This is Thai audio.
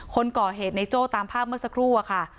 คนก่อเหตุในโจ้ตามภาพเมื่อสักครู่อะค่ะ